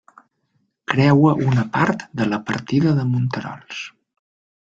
Creua una part de la partida de Monterols.